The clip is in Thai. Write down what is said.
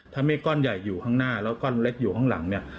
ถ้าเมฆก้อนใหญ่อยู่ข้างหน้าแล้วก้อนเล็กอยู่ข้างหลังเนี่ย